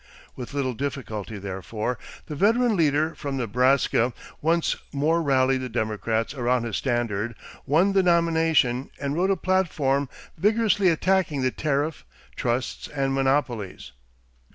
With little difficulty, therefore, the veteran leader from Nebraska once more rallied the Democrats around his standard, won the nomination, and wrote a platform vigorously attacking the tariff, trusts, and monopolies.